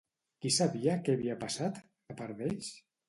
Qui sabia què havia passat, a part d'ells?